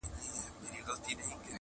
د بوډا مخي ته دي ناست څو ماشومان د کلي،